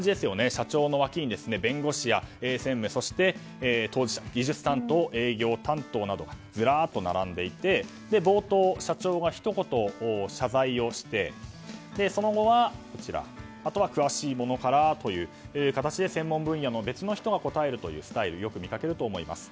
社長のわきに弁護士や専務、そして当事者技術担当、営業担当などがずらっと並んでいて冒頭、社長がひと言、謝罪をしてその後は、あとは詳しい者からという形で専門分野の別の人が答えるというスタイルをよく見かけると思います。